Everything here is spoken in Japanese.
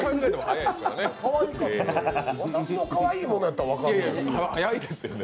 私のかわいいものやったら分かるけど。